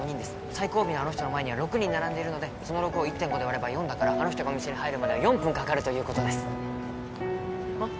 最後尾のあの人の前には６人並んでいるのでその６を１．５で割れば４だからあの人がお店に入るまでは４分かかるということですあ？